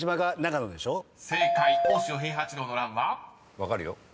分かるよ俺。